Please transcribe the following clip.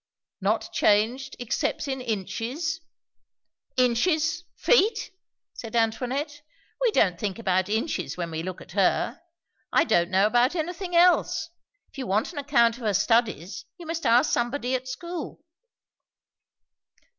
"Not changed except in inches?" "Inches! Feet! " said Antoinette. "We don't think about inches when we look at her. I don't know about anything else. If you want an account of her studies you must ask somebody at school."